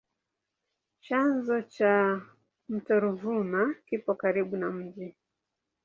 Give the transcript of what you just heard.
Chanzo cha mto Ruvuma kipo karibu na mji.